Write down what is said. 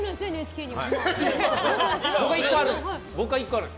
僕、１個あるんです。